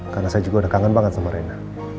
karena saya juga udah kangen banget sama reina